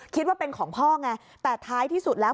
คิดว่าเป็นของพ่อไงแต่ท้ายที่สุดแล้ว